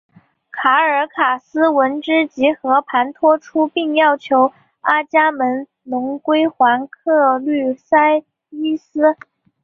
卡尔卡斯闻之即和盘托出并要求阿伽门侬归还克律塞伊斯。